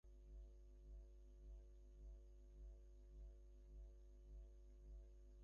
রাজধানীর গুলশানে সরকারি সম্পত্তি আত্মসাতের অভিযোগে করা মামলাসহ ছয়টি মামলায় জামিন পেয়েছেন মওদুদ।